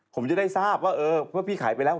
ผมจะได้ทราบว่าเออเมื่อพี่ขายไปแล้ว